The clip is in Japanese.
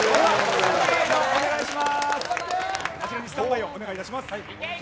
あちらにスタンバイをお願いします。